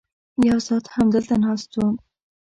یو ساعت همدلته ناست وم.